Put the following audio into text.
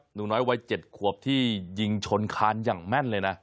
หนูน้อยวัย๗ขวบที่ยิงชนคานอย่างแม่นเลยนะ